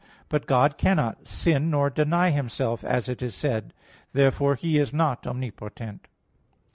But God cannot sin, nor "deny Himself" as it is said in 2 Tim. 2:13. Therefore He is not omnipotent.